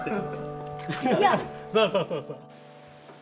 そうそうそうそう。